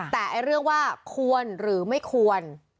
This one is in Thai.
แต่เรื่องว่าควรหรือไม่ควร